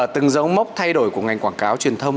từng dấu mốc thay đổi của ngành quảng cáo truyền thông